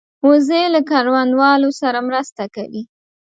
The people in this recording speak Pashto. وزې له کروندهوالو سره مرسته کوي